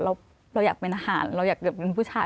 เราอยากเป็นอาหารเราอยากเกิดเป็นผู้ชาย